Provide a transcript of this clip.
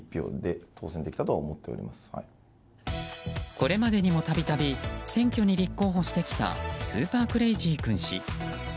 これまでにも度々選挙に立候補してきたスーパークレイジー君氏。